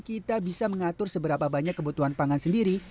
kita bisa mengatur seberapa banyak kebutuhan pangan sendiri